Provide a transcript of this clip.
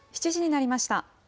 ７時になりました。